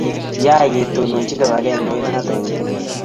kiyaach ketononchi kibagengeinata eng tuiyet